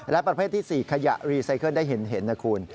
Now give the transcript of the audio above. และประเภทที่๔ขยะรีไซเคิลได้เห็นนะคุณ